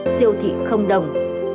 siêu thị không đồng